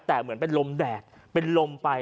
แต่เหมือนเป็นลมแดดเป็นลมไป